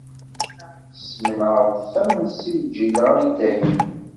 Tessmenɛeḍ-ten si lǧil-a, i dayem.